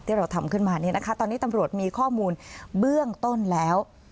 ที่เราทำขึ้นมาเนี่ยนะคะตอนนี้ตำรวจมีข้อมูลเบื้องต้นแล้ว